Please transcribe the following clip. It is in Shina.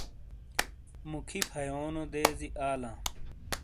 موکھی فھیونو دیزی آلا